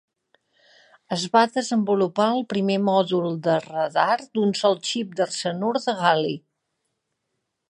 Es va desenvolupar el primer mòdul de radar d'un sol xip d'arsenur de gal·li.